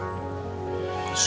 gak perlu ngeles